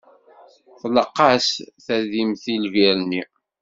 Tlaq-as tadimt i lbir-nni.